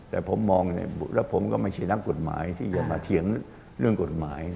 แต่ผมมองเนี่ยแล้วผมก็ไม่ใช่นักกฎหมายที่จะมาเถียงเรื่องกฎหมาย